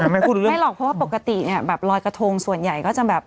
ไม่หรอกเพราะว่าปกติแบบลอดกระทงส่วนใหญ่ก็จะแบบ